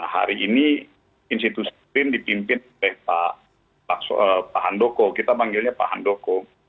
hari ini institusi brin dipimpin oleh pak handoko kita panggilnya pak handoko